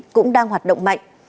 cũng đang hoạt động mạnh